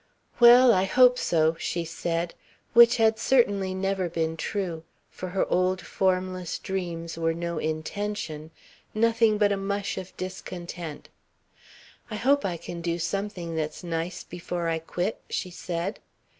"Well, I hope so," she said, which had certainly never been true, for her old formless dreams were no intention nothing but a mush of discontent. "I hope I can do something that's nice before I quit," she said.